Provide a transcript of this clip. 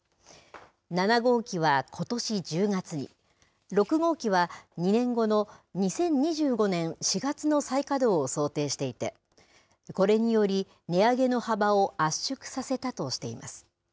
７号機はことし１０月に、６号機は２年後の２０２５年４月の再稼働を想定していて、これにより、値上げの幅を圧縮させたとしています。